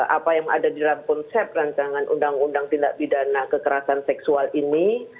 apa yang ada di dalam konsep rancangan undang undang tindak pidana kekerasan seksual ini